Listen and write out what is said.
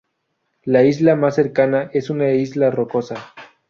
La isla más cercana es un isla rocosa.